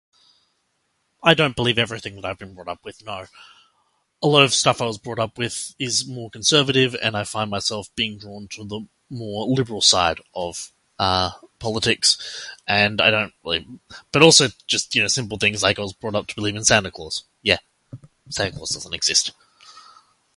I don't believe everything that I've been brought up with, no. A lot of stuff I was brought up is more conservative and I find myself being drawn to the more liberal side of, uh, politics. And I don't really - but also just, you know, simple things, like I was brought up to believe in Santa Claus. Yeah... Santa Claus doesn't exist.